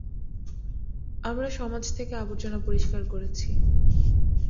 আমরা সমাজ থেকে আবর্জনা পরিষ্কার করেছি।